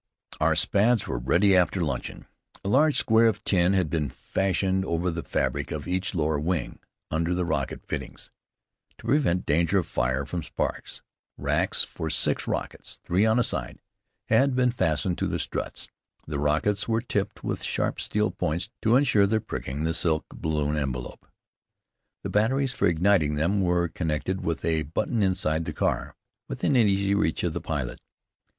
Our Spads were ready after luncheon. A large square of tin had been fastened over the fabric of each lower wing, under the rocket fittings, to prevent danger of fire from sparks. Racks for six rockets, three on a side, had been fastened to the struts. The rockets were tipped with sharp steel points to insure their pricking the silk balloon envelope. The batteries for igniting them were connected with a button inside the car, within easy reach of the pilot.